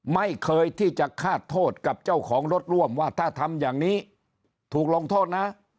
ไม่เคยที่จะฆาตโทษกับเจ้าของรถร่วมว่าถ้าทำอย่างนี้ถูกลงโทษนะ